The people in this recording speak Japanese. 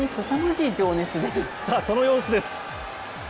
さあ、その様子です。